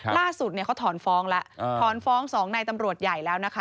ล่าสุดเขาถอนฟ้องแล้วถอนฟ้อง๒นายตำรวจใหญ่แล้วนะคะ